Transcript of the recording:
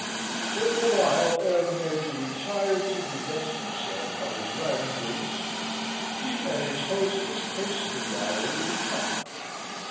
For a while ere the Major retired to divest himself of his riding boots, he and his hostess paced the gallery in talk.